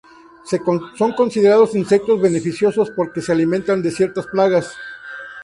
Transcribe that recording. Son considerados insectos beneficiosos porque se alimentan de ciertas plagas.